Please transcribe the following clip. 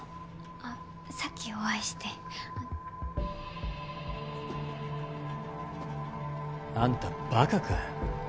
あっさっきお会いして。あんたバカか。